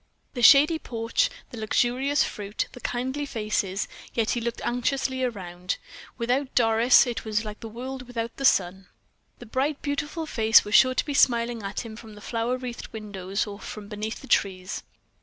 The shady porch, the luxurious fruit, the kindly faces, yet he looked anxiously around. Without Doris it was like the world without the sun. The bright, beautiful face was sure to be smiling at him from the flower wreathed windows, or from beneath the trees.